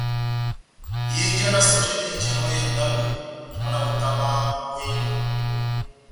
Ihinja d́ sɔjɛ dihínjinɔ ó hé ya ndábo, na mɔ́ na hutamahá ó ya inɔngɔ.